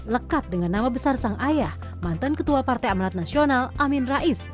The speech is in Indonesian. lekat dengan nama besar sang ayah mantan ketua partai amarat nasional amin rais